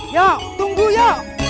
ya tunggu ya